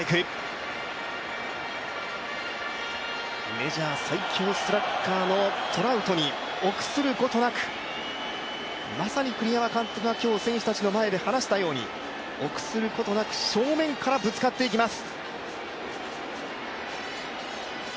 メジャー最強スラッガーのトラウトに臆することなく、まさに今日、栗山監督が選手たちの前で話したように臆することなく正面からぶつかっていきます。